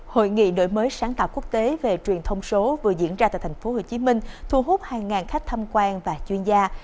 hội nghị đổi mới sáng tạo quốc tế về truyền thông số vừa diễn ra tại thành phố hồ chí minh thu hút hàng ngàn khách tham quan và chuyên gia